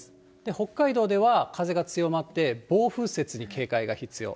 北海道では風が強まって、暴風雪に警戒が必要。